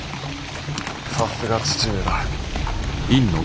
さすが父上だ。